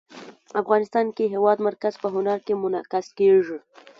افغانستان کې د هېواد مرکز په هنر کې منعکس کېږي.